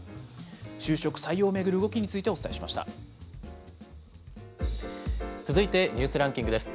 就職採用を巡る動きについてお伝続いてニュースランキングです。